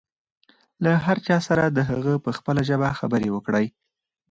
له هر چا سره د هغه په خپله ژبه خبرې وکړئ.